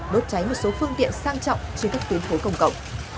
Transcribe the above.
đốt cháy một số phương tiện sang trọng trên các tuyến phố công cộng